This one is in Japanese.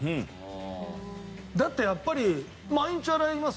だってやっぱり毎日洗いますよね？